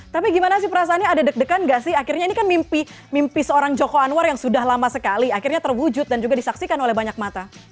tapi gimana sih perasaannya ada deg degan gak sih akhirnya ini kan mimpi seorang joko anwar yang sudah lama sekali akhirnya terwujud dan juga disaksikan oleh banyak mata